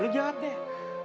lo jawab deh